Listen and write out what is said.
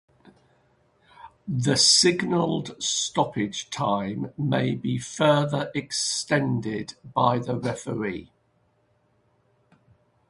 The signalled stoppage time may be further extended by the referee.